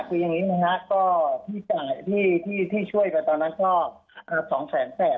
คือยังงี้นะฮะก็ที่จ่ายที่ที่ช่วยกันตอนนั้นก็อ่าสองแสนแปด